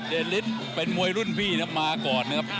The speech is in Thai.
เด็ดลิทเป็นมวยรุ่นพี่มาก่อนนะครับ